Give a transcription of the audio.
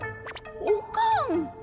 おかん。